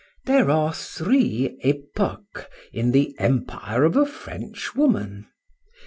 There are three epochas in the empire of a French woman.